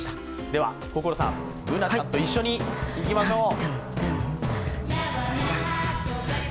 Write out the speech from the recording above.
では、心さん、Ｂｏｏｎａちゃんと一緒にいきましょう。